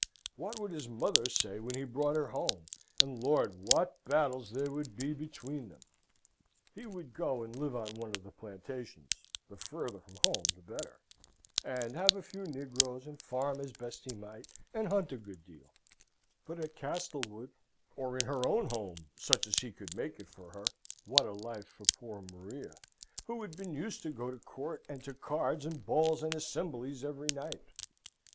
What would his mother say when he brought her home, and, Lord, what battles there would be between them! He would go and live on one of the plantations the farther from home the better and have a few negroes, and farm as best he might, and hunt a good deal; but at Castlewood or in her own home, such as he could make it for her, what a life for poor Maria, who had been used to go to court and to cards and balls and assemblies every night!